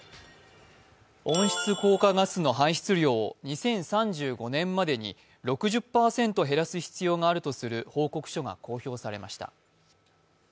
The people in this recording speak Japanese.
温室効果ガスの排出量を２０３５年までに６０％減らす必要があるとする報告書が公表されました。